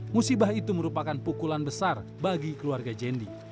musibah itu merupakan pukulan besar bagi keluarga jendi